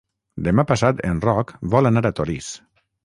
Demà passat en Roc vol anar a Torís.